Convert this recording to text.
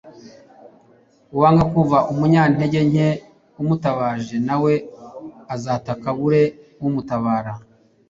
uwanga kumva umunyantege nke amutabaje, na we azataka abure umutabara